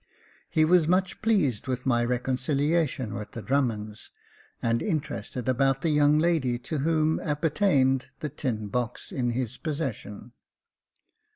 He was much pleased with my reconcilia tion with the Drummonds, and interested about the young lady to whom appertained the tin box in his possession.